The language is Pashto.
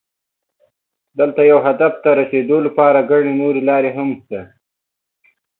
دلته یو هدف ته رسېدو لپاره ګڼې نورې لارې هم شته.